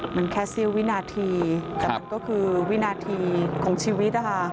มันแค่เสี้ยววินาทีแต่มันก็คือวินาทีของชีวิตนะคะ